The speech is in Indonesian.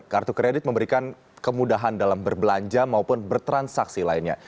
kartu kredit memberikan kemudahan dalam berbelanja maupun bertransaksi lainnya